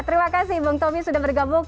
terima kasih bung tommy sudah bergabung